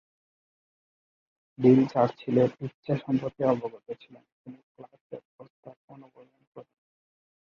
Deal চার্চিলের ইচ্ছা সম্পর্কে অবগত ছিলেন, তিনি ক্লার্কের প্রস্তাব অনুমোদন করেন।